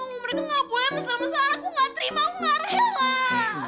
no mereka nggak boleh mesra mesraan aku nggak terima aku ngarah ya ra